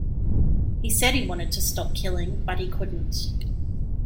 He said he wanted to stop killing, but couldn't.